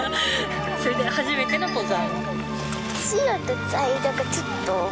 それで初めての登山。